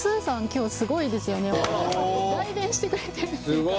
今日すごいですよね代弁してくれてる。